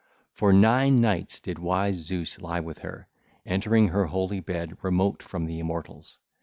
For nine nights did wise Zeus lie with her, entering her holy bed remote from the immortals.